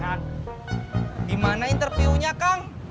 kan gimana interviewnya kang